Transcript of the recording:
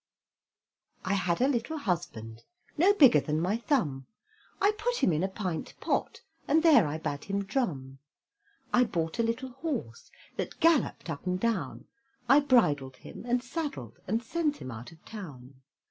I had a little husband, No bigger than my thumb; I put him in a pint pot, And there I bade him drum. I bought a little horse, That galloped up and down; I bridled him, and saddled And sent him out of town.